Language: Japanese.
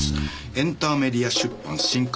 『エンターメディア出版新刊案内』。